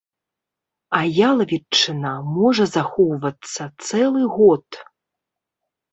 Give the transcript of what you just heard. А ялавічына можа захоўвацца цэлы год!